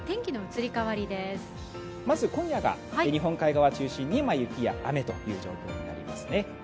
今夜が日本海側を中心に雪や雨という状況になりますね。